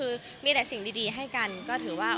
และมีแต่สิ่งดีก็ถือว่าได้